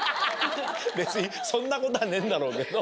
別にそんなことはねえんだろうけど。